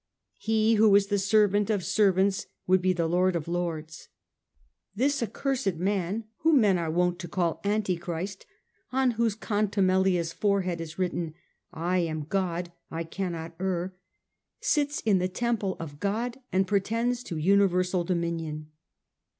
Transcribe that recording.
He who is the servant of servants would be the Lord of Lords. This accursed man, whom men are wont to call Antichrist, on whose contumelious forehead is written, * I am God, I cannot err,' sits in the temple of God and pretends to universal dominion."